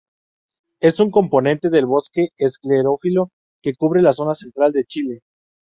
Es un componente del bosque esclerófilo, que cubre la zona central de Chile.